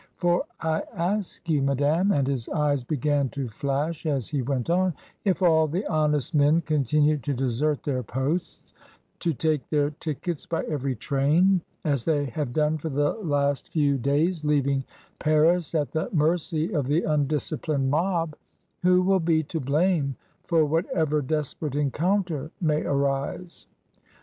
For I ask you, madame," and his eyes began to flash as he went on, "if all the honest men continue to desert their posts, to take their tickets by every train, as they have done for the last few RED COMES INTO FASHION. 21$ days, leaving Paris at the mercy of the undisciplined mob, who will be to blame for whatever desperate encounter may arise?